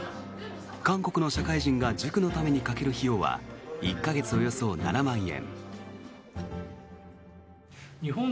韓国の社会人が塾のためにかける費用は１か月およそ７万円。